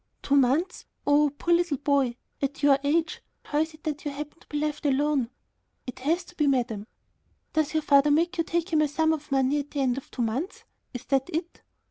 "Two months! Oh, poor little boy. At your age how is it that you happen to be left all alone?" "It has to be, madam." "Does your father make you take him a sum of money at the end of two months? Is that it?"